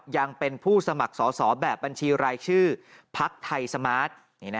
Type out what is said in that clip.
ยังเป็นผู้สมัครสอสอแบบบัญชีรายชื่อพักไทยสมาร์ท